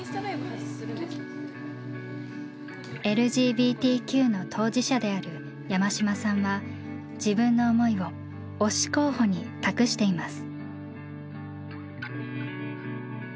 ＬＧＢＴＱの当事者である山島さんは自分の思いを「推し候補」に託しています。